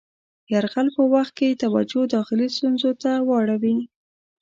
یرغل په وخت کې یې توجه داخلي ستونزو ته واړوي.